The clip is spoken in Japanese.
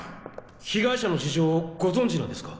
被害者の事情をご存じなんですか？